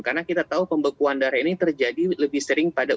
karena kita tahu pembekuan darah ini terjadi lebih sering pada